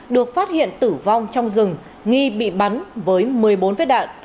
được phát hiện tử vong trong rừng nghi bị bắn với một mươi bốn vết đạn